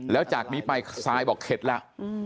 แล้วจากนี้ไปซายบอกเข็ดแล้ว